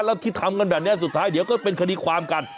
แล้วที่ทำกันแบบนี้สุดท้ายเดี๋ยวก็เป็นคดีความกัน